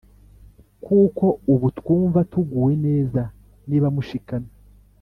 kuko ubu twumva tuguwe neza niba mushikamye